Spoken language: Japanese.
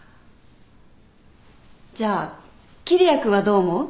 じゃあ桐矢君はどう思う？